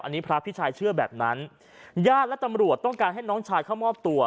อันนี้พระพิชัยเชื่อแบบนั้นญาติและตำรวจต้องการให้น้องชายเข้ามอบตัว